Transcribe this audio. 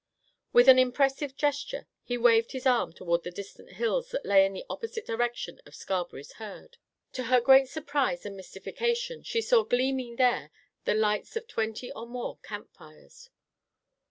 With an impressive gesture, he waved his arm toward the distant hills that lay in the opposite direction of Scarberry's herd. To her great surprise and mystification, she saw gleaming there the lights of twenty or more campfires.